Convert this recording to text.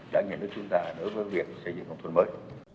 đã nhận được chuyên tài nữa với việc xây dựng nông thôn mới